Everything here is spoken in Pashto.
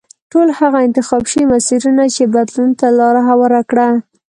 ټول هغه انتخاب شوي مسیرونه چې بدلون ته لار هواره کړه.